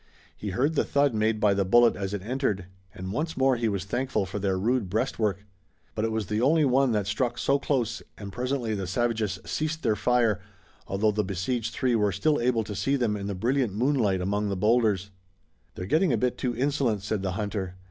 He heard the thud made by the bullet as it entered, and once more he was thankful for their rude breastwork. But it was the only one that struck so close and presently the savages ceased their fire, although the besieged three were still able to see them in the brilliant moonlight among the bowlders. "They're getting a bit too insolent," said the hunter.